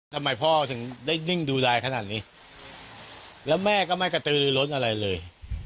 ทำไมพ่อถึงได้นิ่งดูลายขนาดนี้แล้วแม่ก็ไม่กระตือล้นอะไรเลย